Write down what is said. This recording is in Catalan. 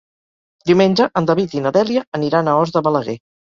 Diumenge en David i na Dèlia aniran a Os de Balaguer.